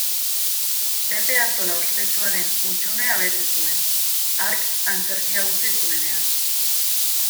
Pepe Artola ospetsuaren hutsunea bete zuen, hark antzerkia utzi zuenean.